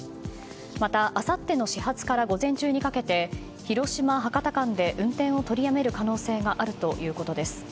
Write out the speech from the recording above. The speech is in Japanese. また、あさっての始発から午前中にかけて広島博多間で運転を取りやめる可能性があるということです。